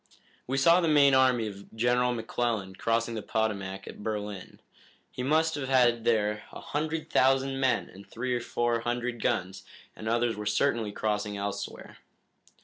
"We saw the main army of General McClellan crossing the Potomac at Berlin. He must have had there a hundred thousand men and three or four hundred guns, and others were certainly crossing elsewhere."